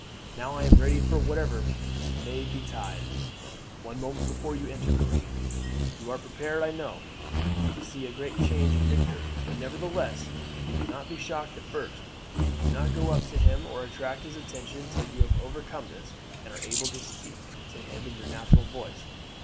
Now I am ready for whatever may betide." "One moment before you enter, Marie. You are prepared, I know, to see a great change in Victor, but nevertheless you cannot but be shocked at first. Do not go up to him or attract his attention till you have overcome this and are able to speak to him in your natural voice.